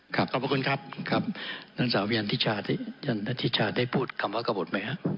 ครับขอบคุณครับครับท่านสาวยันทิชาที่ยันทิชาได้พูดคำว่ากบทไหมฮะ